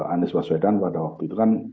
anies baswedan pada waktu itu kan